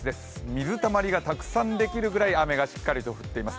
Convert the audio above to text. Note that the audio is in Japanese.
水たまりがたくさんできるぐらい雨がたくさん降っています。